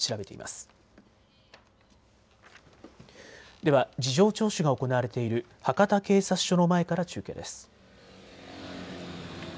では事情聴取が行われている博多警察署の前から中継です。